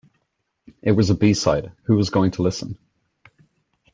It was a B-side: who was going to listen?